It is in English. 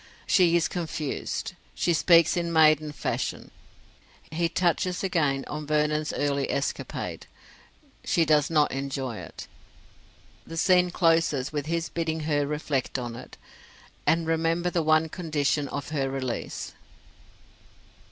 She is confused; she speaks in maiden fashion. He touches again on Vernon's early escapade. She does not enjoy it. The scene closes with his bidding her reflect on it, and remember the one condition of her release.